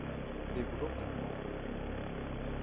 The Broken Barrier